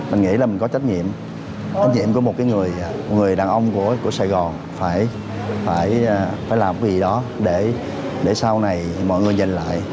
mình nghĩ là mình có trách nhiệm trách nhiệm của một cái người đàn ông của sài gòn phải làm cái gì đó để sau này mọi người nhìn lại